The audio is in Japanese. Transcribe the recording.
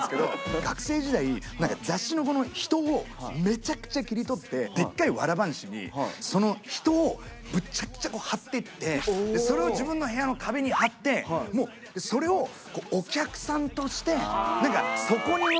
学生時代何か雑誌のこの人をめちゃくちゃ切り取ってでっかいわら半紙にその人をむちゃくちゃこう貼ってってそれを自分の部屋の壁に貼ってもう思い出しましたよ